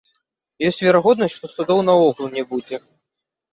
Ёсць верагоднасць, што судоў наогул не будзе.